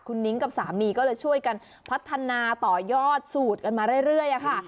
คุณนิ้งกับสามีก็เลยช่วยกันพัฒนาต่อยอดสูตรกันมาเรื่อยค่ะ